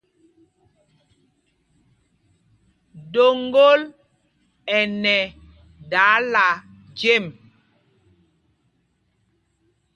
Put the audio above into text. Doŋgǒl ɛ nɛ dáála jem.